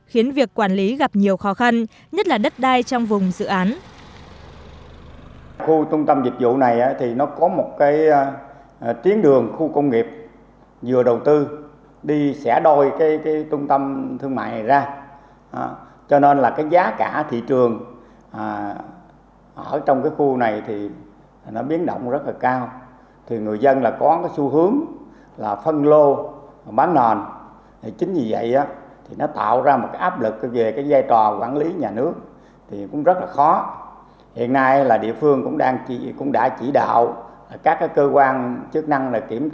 khiến việc quản lý gặp nhiều khó khăn nhất là đất đai trong vùng dự án